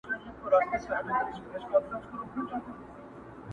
o د زرو په قدر زرگر پوهېږي٫